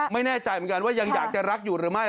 ไม่แน่ใจเหมือนกันว่ายังอยากจะรักอยู่หรือไม่